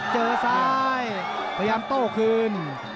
เจอซ้ายพยายามโต้คืน